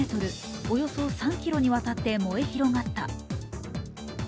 およそ３ｋｍにわたって燃え広がった。